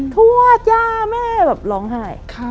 ทวดย่าแม่แบบร้องไห้